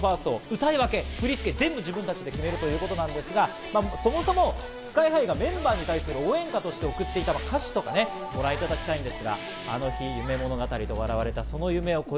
歌い分け、振り付け、全部自分たちで決めるということですが、そもそもＳＫＹ−ＨＩがメンバーに対する応援歌として送っていたので、歌詞とかご覧いただきたいと思います。